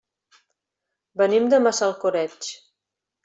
Venim de Massalcoreig.